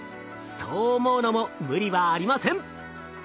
そう思うのも無理はありません。